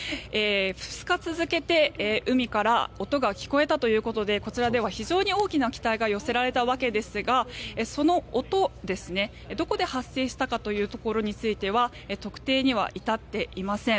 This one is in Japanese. ２日続けて、海から音が聞こえたということでこちらでは非常に大きな期待が寄せられたわけですがその音、どこで発生したかということについては特定には至っていません。